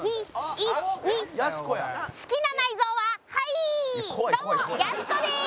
１２！どうもやす子です。